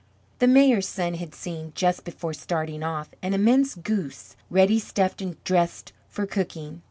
The mayor's son had seen, just before starting off, an immense goose ready stuffed and dressed for cooking.